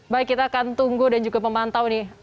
baik kita akan tunggu dan juga memantau nih